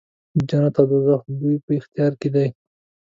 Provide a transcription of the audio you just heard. جنت او دوږخ د دوی په اختیار کې دی.